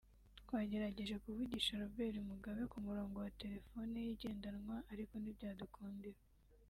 twagerageje kuvugisha Robert Mugabe ku murongo wa telefoni ye igendanwa ariko ntibyadukundira